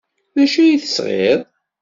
D acu ay d-tesɣid?